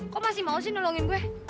kok masih mau sih nolongin gue